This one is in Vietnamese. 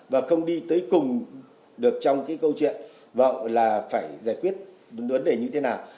và không đi tới cùng được trong câu chuyện là phải giải quyết vấn đề như thế nào